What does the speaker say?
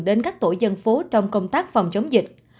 đến các tổ dân phố trong công tác phòng chống dịch